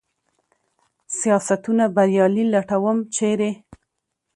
سیاستونه بریالي لټوم ، چېرې ؟